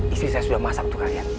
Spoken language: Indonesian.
istri saya sudah masak tuh kalian